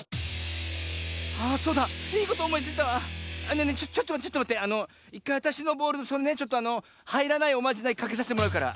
あそうだ！いいことおもいついたわねえねえちょっとまってちょっとまってあのいっかいあたしのボールのそのねちょっとあのはいらないおまじないかけさせてもらうから。